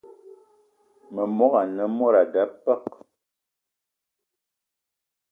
Memogo ane mod a da peuk.